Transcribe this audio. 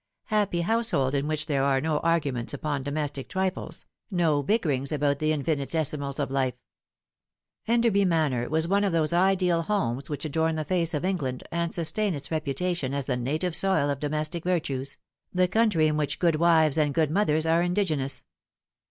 Happy household in which there are no arguments upon domestic trifles, no bickerings about the infinitesimals of lif e ! Enderby Manor was one of those ideal homes which adorn the face of England and sustain its reputation as the native soil of domestic virtues, the country in which good wives and good mothers are indigenous.